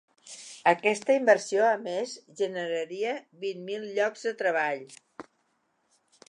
Aquesta inversió, a més, generaria vint mil llocs de treball.